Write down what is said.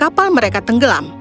tapi kapal mereka tenggelam